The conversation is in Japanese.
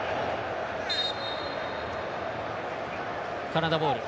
カナダボール。